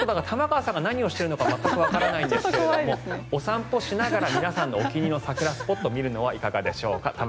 玉川さんが何をしているのか全くわからないんですがお散歩しながら皆さんのお気に入りの桜スポットを見るのはいかがでしょうか。